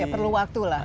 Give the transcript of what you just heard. ya perlu waktu lah